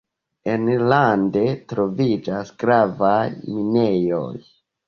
Enlande troviĝas gravaj minejoj.